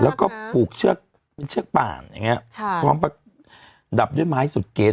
แล้วก็ผูกเชือกเป็นเชือกป่านอย่างเงี้ยพร้อมประดับด้วยไม้สุดเกรส